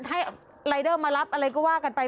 ให้รายเดอร์มารับอะไรก็ว่ากันไป